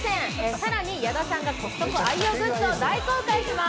さらに、矢田さんがコストコ愛用グッズを大公開します。